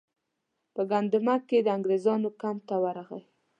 په ګندمک کې د انګریزانو کمپ ته ورغی.